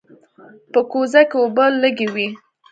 په کوزه کې اوبه لږې وې.